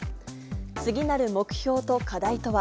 次なる目標と課題とは。